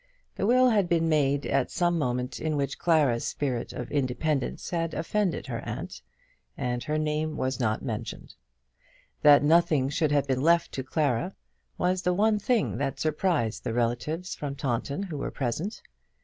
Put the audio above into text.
The will had been made at some moment in which Clara's spirit of independence had offended her aunt, and her name was not mentioned. That nothing should have been left to Clara was the one thing that surprised the relatives from Taunton who were present.